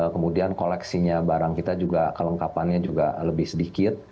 kemudian koleksinya barang kita juga kelengkapannya juga lebih sedikit